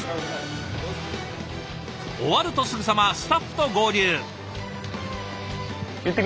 終わるとすぐさまスタッフと合流。